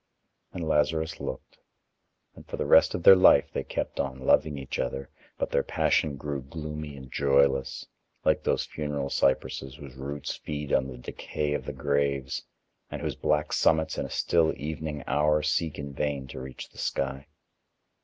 And Lazarus looked. And for the rest of their life they kept on loving each other, but their passion grew gloomy and joyless, like those funeral cypresses whose roots feed on the decay of the graves and whose black summits in a still evening hour seek in vain to reach the sky.